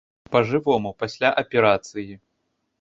Па жывому, пасля аперацыі.